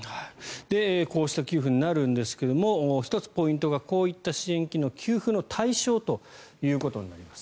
こうした給付になるんですが１つ、ポイントが給付の対象ということになります。